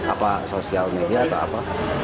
apa sosial media atau apa